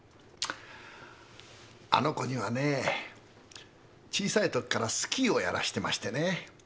あの子にはね小さいときからスキーをやらしてましてね。